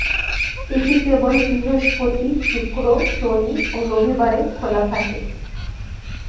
এটি কেবল বৃহস্পতি, শুক্র, শনি ও রবিবারে খোলা থাকে।